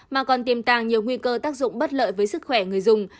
mà còn tiềm tàng nhiều nguy cơ tác dụng bất lợi với sức khỏe người dùng